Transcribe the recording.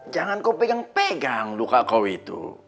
jangan kau pegang pegang luka kau itu